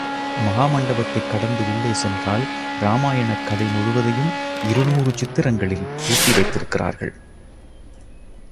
மகா மண்டபத்தைக் கடந்து உள்ளே சென்றால் ராமாயணக் கதை முழுவதையும் இருநூறு சித்திரங்களில் தீட்டி வைத்திருக்கிறார்கள்.